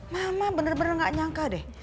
mama bener bener gak nyangka deh